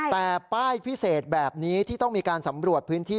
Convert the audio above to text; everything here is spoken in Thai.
แต่ป้ายพิเศษแบบนี้ที่ต้องมีการสำรวจพื้นที่